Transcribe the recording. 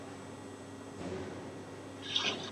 介分两者的传统图解就似比较一轴古代画卷。